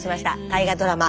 大河ドラマ